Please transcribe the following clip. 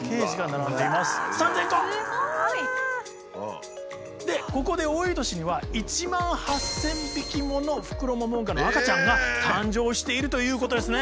すごい！でここで多い年には１万８，０００匹ものフクロモモンガの赤ちゃんが誕生しているということですね。